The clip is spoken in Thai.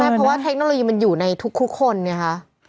แปลว่าเทคโนโลยีมันอยู่ในทุกคนเนี่ยค่ะ